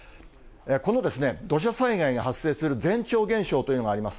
この土砂災害が発生する前兆現象というのがあります。